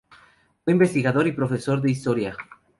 Fue investigador y profesor de Historia.